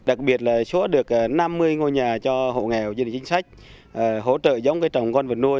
đặc biệt là số được năm mươi ngôi nhà cho hộ nghèo dân chính sách hỗ trợ giống cái trồng con vật nuôi